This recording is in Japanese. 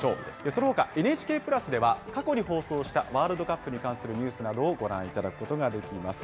そのほか、ＮＨＫプラスでは過去に放送したワールドカップに関するニュースなどをご覧いただくことができます。